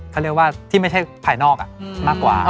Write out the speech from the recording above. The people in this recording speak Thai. เขาเรียกว่าที่ไม่ใช่ภายนอกมากกว่า